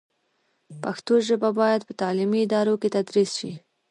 پښتو ژبه باید په تعلیمي ادارو کې تدریس شي.